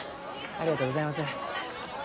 ありがとうございます。